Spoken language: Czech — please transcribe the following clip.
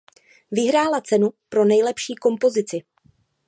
Vyhrála cenu pro nejlepší kompozici.